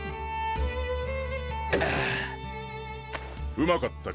うまかったか？